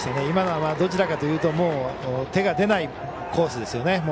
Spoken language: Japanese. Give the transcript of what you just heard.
今のはどちらかというと手が出ないコースですよね。